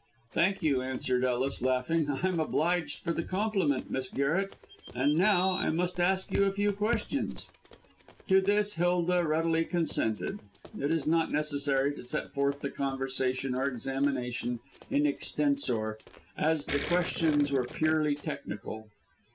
"Thank you," answered Ellis, laughing. "I am obliged for the compliment, Miss Garret. And now I must ask you a few questions." To this Hilda readily consented. It is not necessary to set forth the conversation or examination in extensor, as the questions were purely technical.